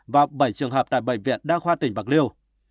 và bảy trường hợp tại bệnh viện đa khoa tỉnh bạc liêu